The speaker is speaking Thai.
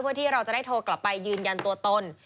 เพื่อที่เราจะได้โทรกลับไปยืนยันตัวตน